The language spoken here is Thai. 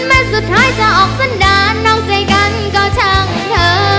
สุดท้ายจะออกสันดาลน้องใจกันก็ช่างเธอ